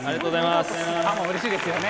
うれしいですよね。